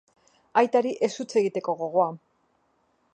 Aitari ez huts egiteko gogoa.